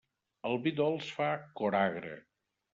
El vi dolç fa coragre.